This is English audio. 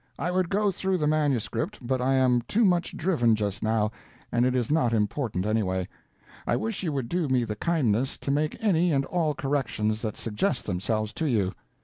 I would go through the manuscript but I am too much driven just now, and it is not important anyway. I wish you would do me the kindness to make any and all corrections that suggest themselves to you.